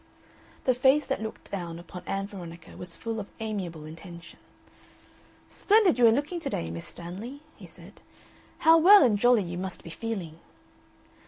The face that looked down upon Ann Veronica was full of amiable intention. "Splendid you are looking to day, Miss Stanley," he said. "How well and jolly you must be feeling."